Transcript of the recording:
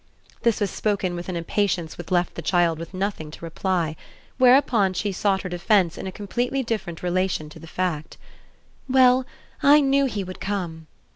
This was spoken with an impatience which left the child nothing to reply; whereupon she sought her defence in a completely different relation to the fact. "Well, I knew he would come!"